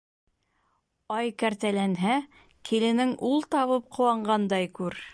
Ай кәртәләнһә, киленең ул табып ҡыуанғандай күр